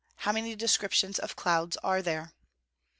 _How many descriptions of clouds are there?